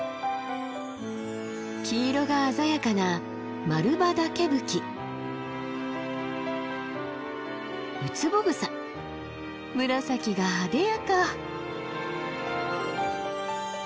黄色が鮮やかな紫があでやか！